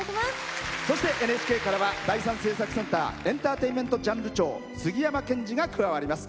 ＮＨＫからは第３制作センターエンターテインメントジャンル長杉山賢治が加わります。